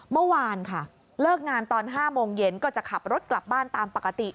เมื่อวานค่ะเลิกงานตอน๕โมงเย็นก็จะขับรถกลับบ้านตามปกติ